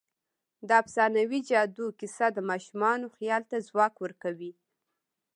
د افسانوي جادو کیسه د ماشومانو خیال ته ځواک ورکوي.